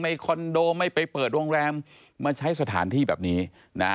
คอนโดไม่ไปเปิดโรงแรมมาใช้สถานที่แบบนี้นะ